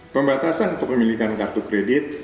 pembatasan kepemilikan kartu kredit